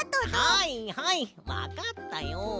はいはいわかったよ。